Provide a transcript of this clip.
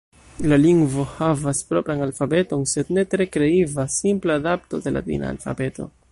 La lingvo havas propran alfabeton, sed ne tre kreiva, simpla adapto de latina alfabeto.